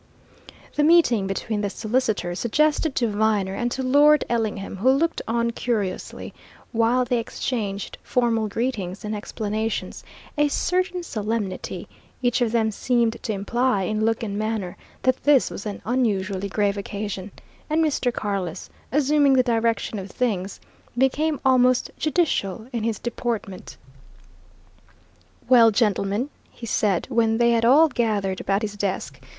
The meeting between the solicitors suggested to Viner and to Lord Ellingham, who looked on curiously while they exchanged formal greetings and explanations, a certain solemnity each of them seemed to imply in look and manner that this was an unusually grave occasion. And Mr. Carless, assuming the direction of things, became almost judicial in his deportment. "Well, gentlemen," he said, when they had all gathered about his desk.